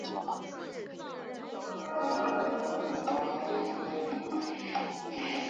黎曼几何是描述任意维数任意弯曲的绝对几何空间的一种微分解析几何学。